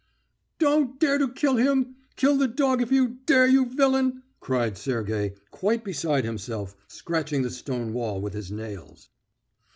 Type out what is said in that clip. "Don't dare to kill him! Kill the dog if you dare, you villain!" cried Sergey, quite beside himself, scratching the stone wall with his nails.